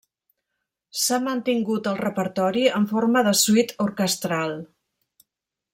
S'ha mantingut al repertori en forma de suite orquestral.